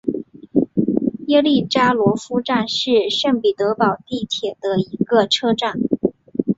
耶利扎罗夫站是圣彼得堡地铁的一个车站。